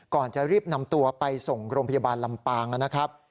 ก่อนจะรีบนำตัวไปส่งโรงพยาบาลลำปางนะครับ